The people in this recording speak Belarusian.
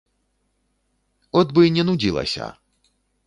От бы не нудзілася!